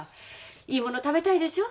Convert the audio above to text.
いいもの食べたいでしょ？